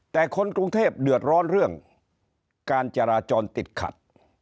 แต่คนกรุงเทพเดือดร้อนเรื่องการจราจรติดขัด